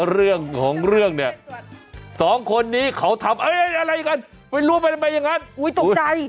เรื่องของเรื่องเนี่ยสองคนนี้เขาทำอะไรกันไปรวมไปยังไงอย่างนั้น